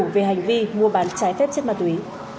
về hành vi mua bán trái phép chất ma túy